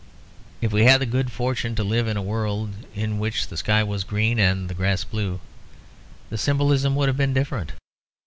If we had the good fortune to live in a world in which the sky was green and the grass blue, the symbolism would have been different.